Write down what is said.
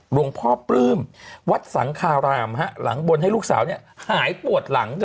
หลวงพ่อปลื้มวัดสังคารามหลังบนให้ลูกสาวหายปวดหลัง